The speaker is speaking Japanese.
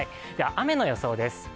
雨の予想です。